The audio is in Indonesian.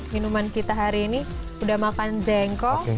minuman kita hari ini udah makan jengkol